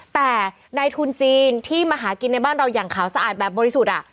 แต่ในทุนจีนที่มาหากินในบ้านเราอย่างขาวสะอาดแบบบริสุทธิ์